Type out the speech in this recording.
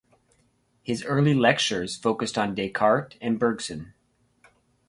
His early lectures focused on Descartes and Bergson.